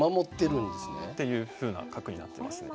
っていうふうな角になってますね。